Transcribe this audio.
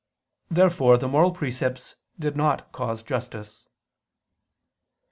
Therefore the moral precepts did not cause justice.